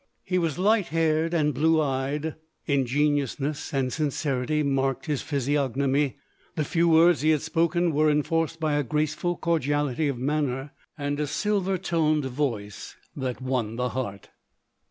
He was light haired and blue eyed ; ingenuousness and sincerity marked his physi ognomy. The few words he had spoken were enforced by a graceful cordiality of manner, and a silver toned voice, that won the heart.